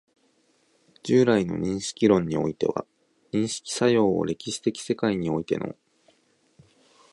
従来の認識論においては、認識作用を歴史的世界においての